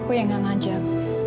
aku yang gak ngajak